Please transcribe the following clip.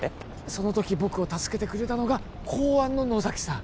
その時僕を助けてくれたのが公安の野崎さん